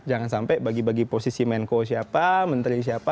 jangan sampai bagi bagi posisi menko siapa menteri siapa